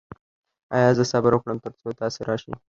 ایا زه صبر وکړم تر څو تاسو راشئ؟